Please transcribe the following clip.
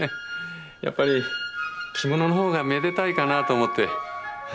やっぱり着物のほうがめでたいかなと思って。